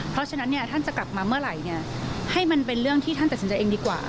เพราะฉะนั้นเนี่ยท่านจะกลับมาเมื่อไหร่เนี่ยให้มันเป็นเรื่องที่ท่านตัดสินใจเองดีกว่า